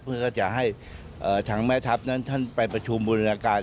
เพื่อก็จะให้ทางแม่ทัพนั้นท่านไปประชุมบูรณาการ